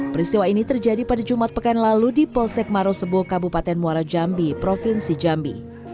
peristiwa ini terjadi pada jumat pekan lalu di polsek marosebo kabupaten muara jambi provinsi jambi